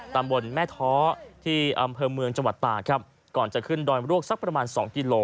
ตำบลแม่ท้อที่อำเภอเมืองจังหวัดตาครับก่อนจะขึ้นดอยมรวกสักประมาณสองกิโล